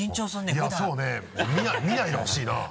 いやそうね見ないでほしいな。